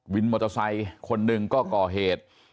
มอเตอร์ไซค์คนหนึ่งก็ก่อเหตุ